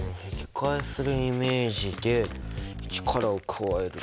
開するイメージで力を加える。